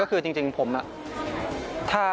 ก็คือจริงผม